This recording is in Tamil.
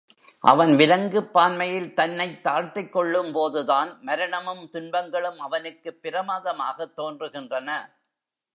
அவன் விலங்குப் பான்மையில் தன்னைத் தாழ்த்திக் கொள்ளும்போதுதான் மரணமும் துன்பங்களும் அவனுக்குப் பிரமாதமாகத் தோன்றுகின்றன.